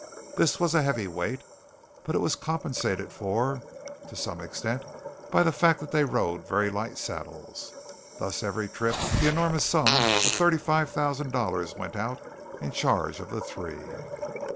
This was a heavy weight, but it was compensated for to some extent by the fact that they rode very light saddles. Thus every trip the enormous sum of thirty five thousand dollars went out in charge of the three.